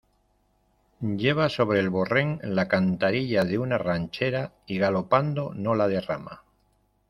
lleva sobre el borrén la cantarilla de una ranchera, y galopando no la derrama.